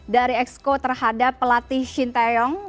dari exco terhadap pelatih shinteyong